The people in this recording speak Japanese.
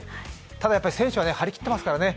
ただ、やっぱり選手は張り切っていますからね。